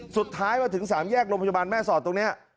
สุดท้ายมาถึง๓แยกโรงพยาบาลแม่สอดตรงนี้